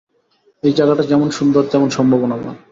এই জায়গাটা যেমন সুন্দর, - তেমন সম্ভাবনাময়।